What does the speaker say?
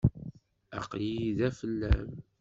Aql-iyi da fell-am.